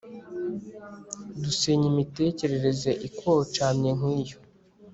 dusenya imitekerereze ikocamye nkiyo